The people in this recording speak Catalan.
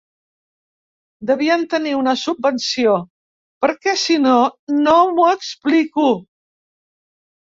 Devien tenir una subvenció, perquè si no, no m'ho explico.